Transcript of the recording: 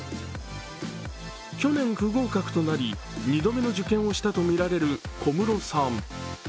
去年、不合格となり、二度目の受験をしたとみられる小室さん。